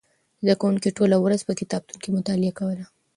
زده کوونکو ټوله ورځ په کتابتون کې مطالعه کوله.